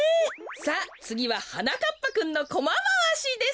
さあつぎははなかっぱくんのコマまわしです。